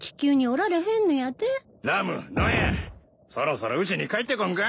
ラムどやそろそろうちに帰ってこんか？